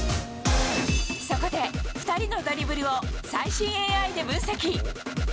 そこで２人のドリブルを最新ＡＩで分析。